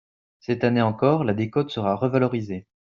Cette année encore, la décote sera revalorisée.